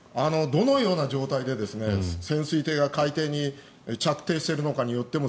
どのような状態で潜水艇が海底に着底しているのかによっても